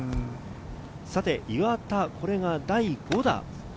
岩田、これが第５打。